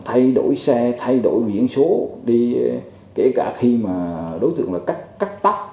thay đổi xe thay đổi biển số kể cả khi mà đối tượng là cắt tóc rồi như là thay đổi hình dạng